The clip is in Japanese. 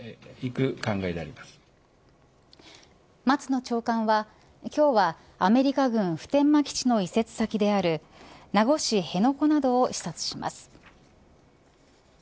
松野長官は今日はアメリカ軍普天間基地の移設先である名護市辺野古などを視察します。